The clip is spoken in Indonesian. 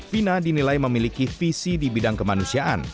vina dinilai memiliki visi di bidang kemanusiaan